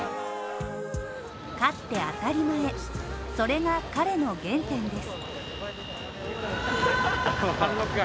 勝って当たり前、それが彼の原点です。